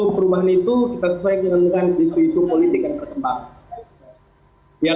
perubahan itu kita sesuai dengan isu isu politik yang berkembang